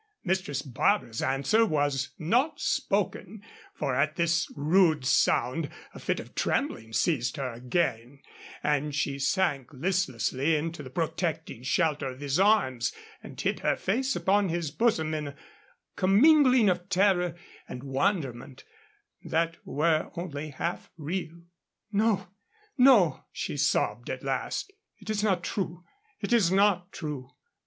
Mistress Barbara's answer was not spoken, for at this rude sound a fit of trembling seized her again and she sank listlessly into the protecting shelter of his arms, and hid her face upon his bosom in a commingling of terror and wonderment that were only half real. "No, no," she sobbed at last, "it is not true. It is not true."